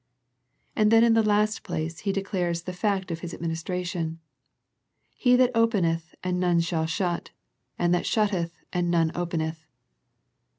And then in the last place He declares the fact of His administration. " He that open eth, and none shall shut, and that shutteth and none openeth."